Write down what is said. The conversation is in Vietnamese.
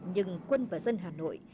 nhưng quân và dân hà nội